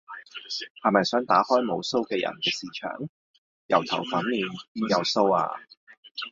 係咪想打開無鬚嘅人嘅巿場？油頭粉面，邊有鬚呀？